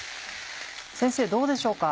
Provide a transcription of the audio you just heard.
先生どうでしょうか？